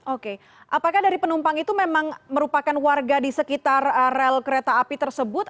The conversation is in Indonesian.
oke apakah dari penumpang itu memang merupakan warga di sekitar rel kereta api tersebut